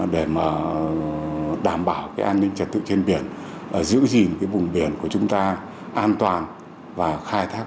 để mà đảm bảo an ninh trật tự trên biển giữ gìn cái vùng biển của chúng ta an toàn và khai thác